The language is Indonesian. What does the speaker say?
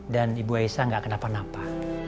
dan ibu aisyah ga kenapa napa